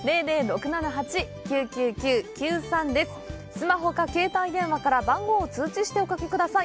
スマホか携帯電話から番号を通知しておかけください。